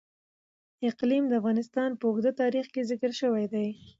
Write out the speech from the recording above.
اقلیم د افغانستان په اوږده تاریخ کې ذکر شوی دی.